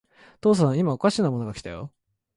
お父さん、いまおかしなものが来たよ。